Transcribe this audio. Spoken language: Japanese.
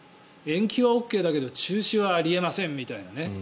延期はＯＫだけど中止はあり得ませんみたいなね。